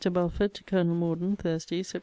BELFORD, TO COLONEL MORDEN THURSDAY, SEPT.